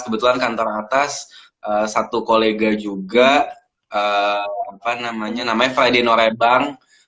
kebetulan kantor atas satu kolega juga namanya freddy norebang